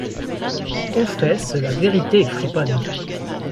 Confesse la vérité, friponne !